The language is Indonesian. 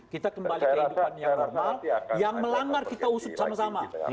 kita kembali kehidupan yang normal yang melanggar kita usut sama sama